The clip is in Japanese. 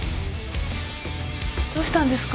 どうしたんですか？